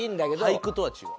俳句とは違う。